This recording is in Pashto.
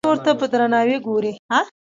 چې نړۍ ورته په درناوي ګوري.